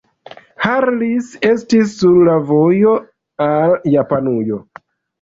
Harris estas sur la vojo al Japanujo.